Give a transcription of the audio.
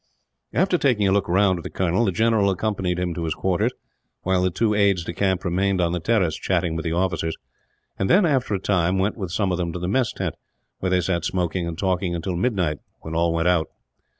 After taking a look round with the colonel, the general accompanied him to his quarters; while the two aides de camp remained on the terrace, chatting with the officers; and then, after a time, went with some of them to the mess tent, where they sat smoking and talking until midnight, when all went out.